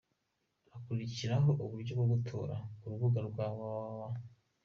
Hakurikiraho uburyo bwo gutora ku rubuga rwa www.